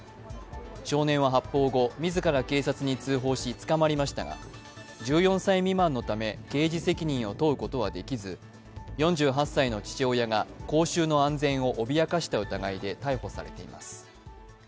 少年は発砲後、自ら警察に通報し、捕まりましたが、１４歳未満のため刑事責任を問うことはできず４８歳の父親が公衆の安全を脅かした疑いで逮捕されています。